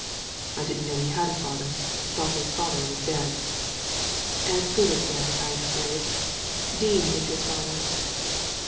"I didn't know he had a father. Thought his father was dead." " As good as dead, I am afraid. Dean is his father.